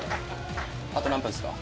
「あと何分ですか？」